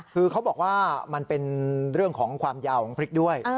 คือเขาบอกว่ามันเป็นเรื่องของความยาวของพริกด้วย